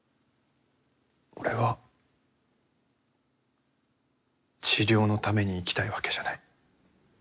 俺は治療のために生きたいわけじゃない。